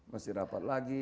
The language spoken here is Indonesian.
masih rapat lagi